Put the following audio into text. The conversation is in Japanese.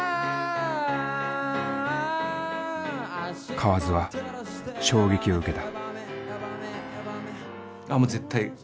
河津は衝撃を受けた。